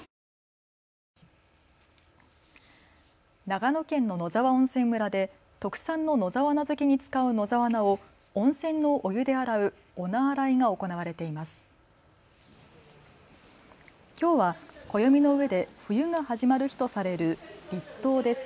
長野県の野沢温泉村で特産の野沢菜漬に使う野沢菜を温泉のお湯で洗うお菜洗いが行われています。